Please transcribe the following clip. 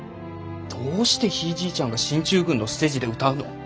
どうしてひいじいちゃんが進駐軍のステージで歌うの？